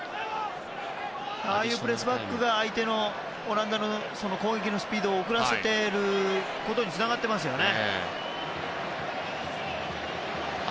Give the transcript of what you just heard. ああいうプレスバックがオランダの攻撃のスピードを遅らせることにつながってますよね。